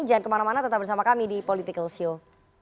jangan kemana mana tetap bersama kami di political show